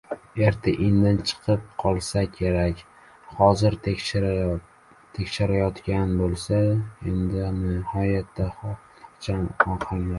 — Erta-indin chiqib qolsa kerak. Hozir tekshirishyapti, — dedim nihoyatda xotirjam ohangda.